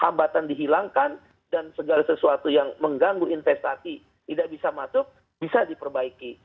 hambatan dihilangkan dan segala sesuatu yang mengganggu investasi tidak bisa masuk bisa diperbaiki